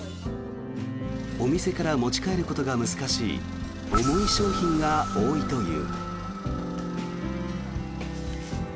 お店から持ち帰ることが難しい重い商品が多いという。